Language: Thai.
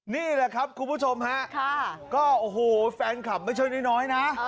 นี่แหละครับคุณผู้ชมฮะก็โอ้โหแฟนคลับไม่ใช่น้อยนะ